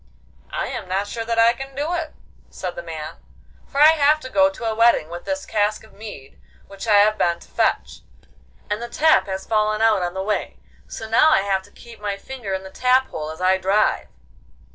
'I am not sure that I can do it,' said the man, 'for I have to go to a wedding with this cask of mead which I have been to fetch, and the tap has fallen out on the way, so now I have to keep my finger in the tap hole as I drive.